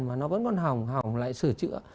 mà nó vẫn còn hỏng hỏng lại sửa chữa